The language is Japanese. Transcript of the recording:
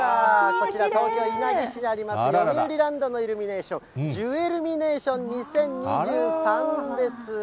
こちら、東京・稲城市にあります、よみうりランドのイルミネーション、ジュエルミネーション２０２３です。